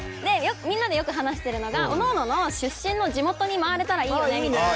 みんなでよく話してるのがおのおのの出身の地元に回れたらいいよねみたいな。